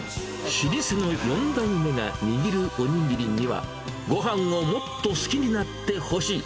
老舗の４代目が握るおにぎりには、ごはんをもっと好きになってほしい。